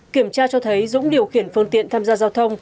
kiểm tra cho thấy dũng điều khiển phương tiện tham gia giao thông